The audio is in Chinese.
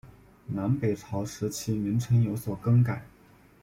南北朝时期名称有所更改。